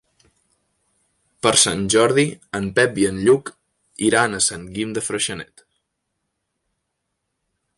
Per Sant Jordi en Pep i en Lluc iran a Sant Guim de Freixenet.